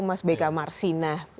mas beka marsinah